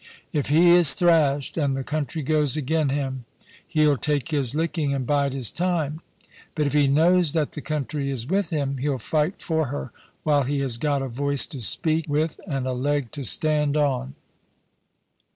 If he is thrashed, and the country goes agen him, he'll take his licking and bide his time ; but if he knows that the country is with him, he'll fight for her while he has got a voice to speak with and a leg to stand on.